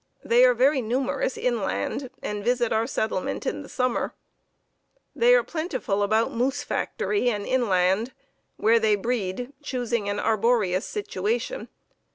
They are very numerous inland and visit our settlement in the summer. They are plentiful about Moose Factory and inland, where they breed, choosing an arboreous situation.